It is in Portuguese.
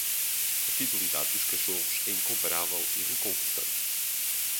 A fidelidade dos cachorros é incomparável e reconfortante.